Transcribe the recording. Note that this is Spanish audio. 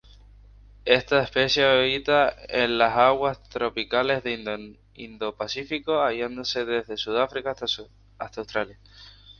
Esta especie habita en las aguas tropicales del Indo-Pacífico, hallándose desde Sudáfrica hasta Australia.